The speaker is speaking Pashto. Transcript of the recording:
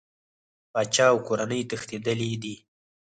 پاچا او کورنۍ تښتېدلي دي.